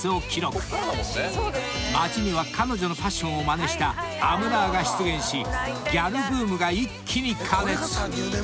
［街には彼女のファッションをまねしたアムラーが出現しギャルブームが一気に過熱］